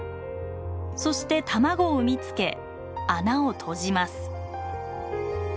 そして卵を産みつけ穴を閉じます。